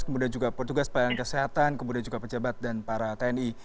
kemudian juga petugas pelayanan kesehatan kemudian juga pejabat dan para tni